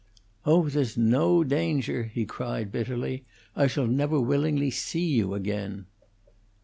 "Oh, there's no danger!" he cried, bitterly. "I shall never willingly see you again."